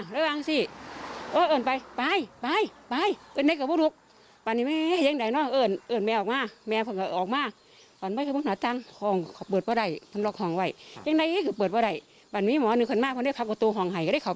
แล้วอันนี้พ่อมั่นใจว่าเป็นแฟนเก่า